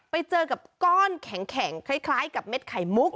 ไปเจอกับก้อนแข็งคล้ายกับเม็ดไข่มุก